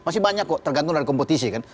masih banyak kok tergantung dari kompetisi kan